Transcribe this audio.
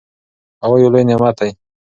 هوا یو لوی نعمت دی.